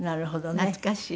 懐かしい。